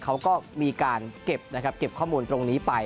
เขาก็มีการเก็บนะครับเก็บข้อมูลตรงนี้ไป